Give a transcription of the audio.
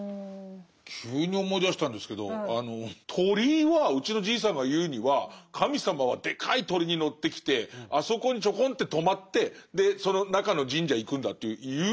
急に思い出したんですけど鳥居はうちのじいさんが言うには神様はでかい鳥に乗ってきてあそこにちょこんって止まってでその中の神社へ行くんだって言うんですよ。